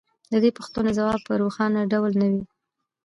د دې پوښتنو ځواب په روښانه ډول نه دی